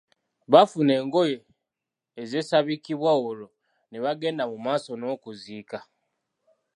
Bafuna engoye ezeesabikibwa olwo ne bagenda mu maaso n’okuziika.